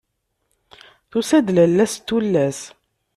Tusa-d lala-s n tullas.